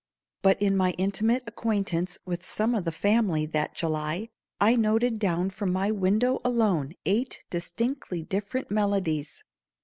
But in my intimate acquaintance with some of the family that July I noted down from my window alone eight distinctly different melodies.